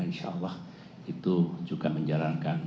insyaallah itu juga menjalankan